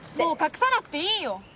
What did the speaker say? もう隠さなくていいよ。